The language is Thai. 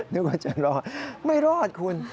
นึกว่าจะรอดไม่รอดคุณ